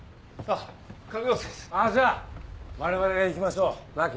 あっじゃあ我々が行きましょうなぁ